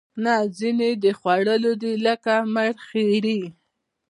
نه ځینې یې د خوړلو دي لکه مرخیړي